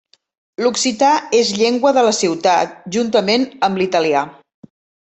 L'occità és llengua de la ciutat juntament amb l'italià.